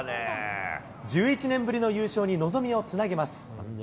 １１年ぶりの優勝に望みをつなげます。